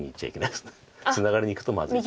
ツナがりにいくとまずいです。